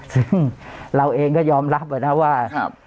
ซึ่งเราเองก็ยอมรับนะว่า